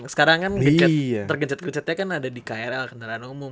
sekarang kan tergencet gencetnya kan ada di krl kendaraan umum